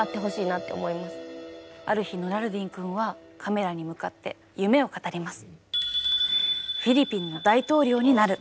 ある日ノラルディンくんはカメラに向かって夢を語ります。